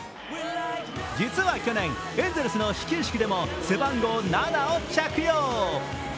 実は去年エンゼルスの始球式でも背番号７を着用。